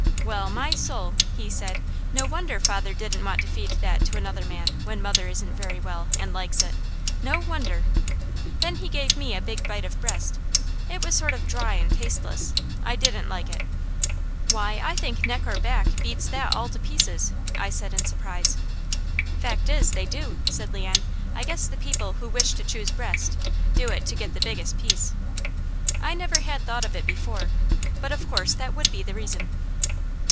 "Well my soul!" he said. "No wonder father didn't want to feed that to another man when mother isn't very well, and likes it! No wonder!" Then he gave me a big bite of breast. It was sort of dry and tasteless; I didn't like it. "Why, I think neck or back beats that all to pieces!" I said in surprise. "Fact is, they do!" said Leon. "I guess the people who 'wish to choose breast,' do it to get the biggest piece." I never had thought of it before, but of course that would be the reason.